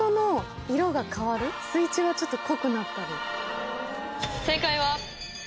水中はちょっと濃くなったり。